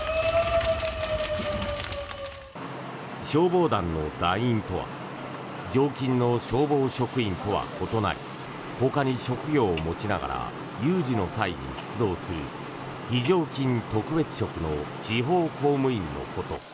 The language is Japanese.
消防団の団員とは常勤の消防職員とは異なりほかに職業を持ちながら有事の際に出動する非常勤特別職の地方公務員のこと。